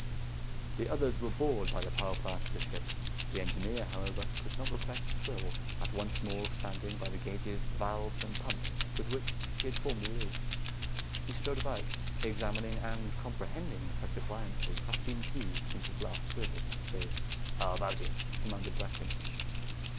The others were bored by the power plant of the ship. The engineer, however, could not repress a thrill at once more standing surrounded by the gauges, valves, and pumps with which he had formerly lived. He strode about, examining and comprehending such appliances as seemed new since his last service in space. "How about it?" demanded Brecken.